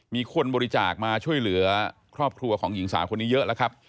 มีคนบริจาคมาช่วยเหลือครอบครัวของหญิงสาวคนนี้เยอะแล้วครับ